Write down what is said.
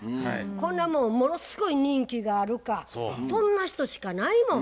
こんなもんものすごい人気があるかそんな人しかないもん。